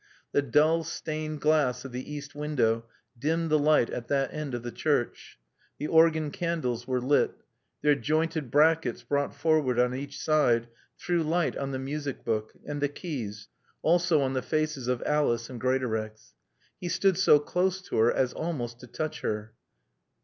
The dull stained glass of the east window dimmed the light at that end of the church. The organ candles were lit. Their jointed brackets, brought forward on each side, threw light on the music book and the keys, also on the faces of Alice and Greatorex. He stood so close to her as almost to touch her.